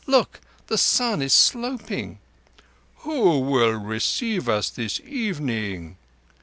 Look, the sun is sloping." "Who will receive us this evening?"